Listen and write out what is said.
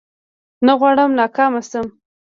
نه غواړم ناکام شم